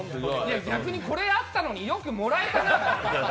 逆に、これあったのによくもらえたな。